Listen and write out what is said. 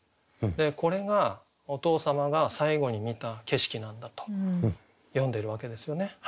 これがお父様が最後に観た景色なんだと詠んでるわけですよね。